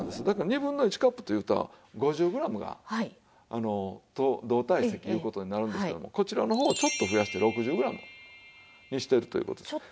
だから２分の１カップというと５０グラムが同体積いう事になるんですけどもこちらの方をちょっと増やして６０グラムにしてるという事です。